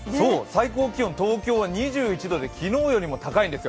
最高気温、東京は２１度で昨日よりも高いんです。